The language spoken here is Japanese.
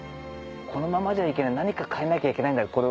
このままじゃいけない何か変えなきゃいけない。